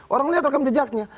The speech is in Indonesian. orang melihat rekam jejaknya